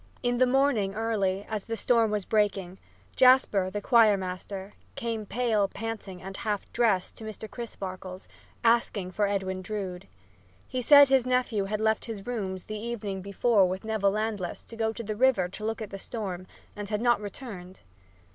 In the morning early, as the storm was breaking, Jasper, the choir master, came pale, panting and half dressed, to Mr. Crisparkle's, asking for Edwin Drood. He said his nephew had left his rooms the evening before with Neville Landless to go to the river to look at the storm, and had not returned.